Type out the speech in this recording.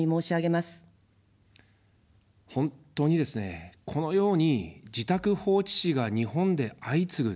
本当にですね、このように自宅放置死が日本で相次ぐ。